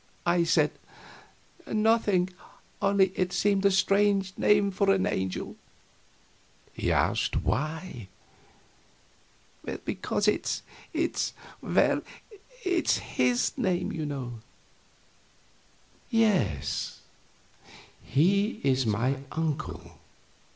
I said, "Nothing, only it seemed a strange name for an angel." He asked why. "Because it's it's well, it's his name, you know." "Yes he is my uncle."